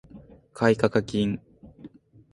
買掛金